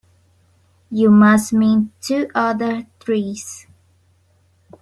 You must mean two other trees.